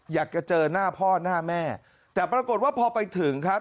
อยากจะเจอหน้าพ่อหน้าแม่แต่ปรากฏว่าพอไปถึงครับ